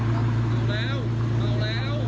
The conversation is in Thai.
แล้วแล้วแล้ว